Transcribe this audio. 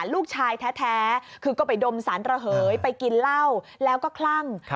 ลูกชายแท้คือก็ไปดมสารระเหยไปกินเหล้าแล้วก็คลั่ง